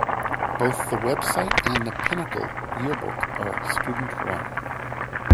Both the website and the "Pinnacle" yearbook are student-run.